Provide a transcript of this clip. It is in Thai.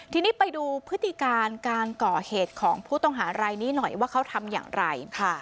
ทีนี้ไปดูพฤติการการก่อเหตุของผู้ต้องหารายนี้หน่อยว่าเขาทำอย่างไร